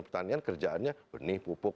petanian kerjaannya benih pupuk